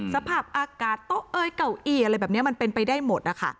สภาพอากาศโต๊ะเอ้ยเก่าอี้อะไรแบบนี้มันเป็นไปได้หมดนะคะ